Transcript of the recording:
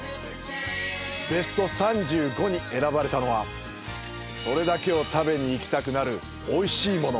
ベスト３５に選ばれたのはそれだけを食べに行きたくなるおいしいもの